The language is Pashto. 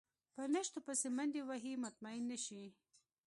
په نشتو پسې منډې وهي مطمئن نه شي.